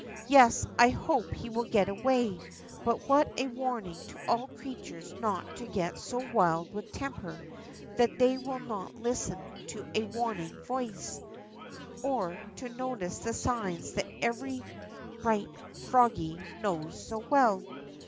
Yes, I hope he will get away, but what a warning to all creatures not to get so wild with temper that they will not listen to a warning voice, or to notice the signs that every bright froggie knows so ^vell."